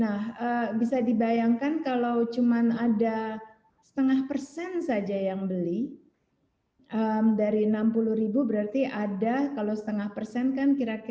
nah bisa dibayangkan kalau cuma ada setengah persen saja yang beli dari enam puluh ribu berarti ada kalau setengah persen kan kira kira